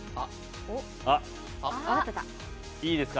いいですか？